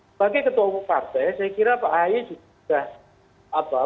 sebagai ketua partai saya kira pak aye sudah